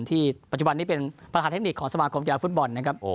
ปัจจุบันนี้เป็นประธานเทคนิคของสมาคมกีฬาฟุตบอลนะครับ